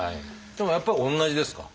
でもやっぱり同じですか？